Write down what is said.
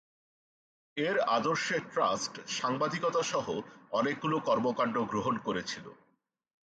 এর আদর্শে ট্রাস্ট সাংবাদিকতা সহ অনেকগুলি কর্মকাণ্ড গ্রহণ করেছিল।